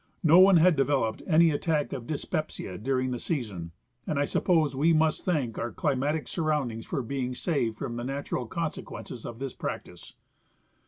No one had developed any attack of dyspepsia during the season, and I suppose Ave must thank our climatic surroundings for being saved from the natural consequences of this practice.